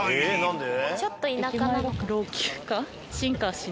何で？